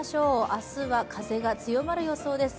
明日は風が強まる予想です。